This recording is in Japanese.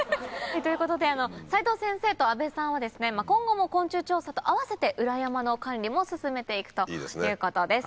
ということで斉藤先生と阿部さんは今後も昆虫調査と併せて裏山の管理も進めて行くということです。